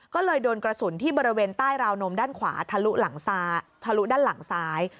ก็เลยโดนกระสุนที่บริเวณใต้ราวนมด้านขวาทะลุหลังทะลุด้านหลังซ้าย